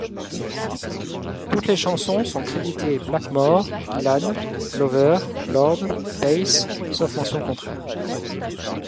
Toutes les chansons sont créditées Blackmore, Gillan, Glover, Lord, Paice, sauf mention contraire.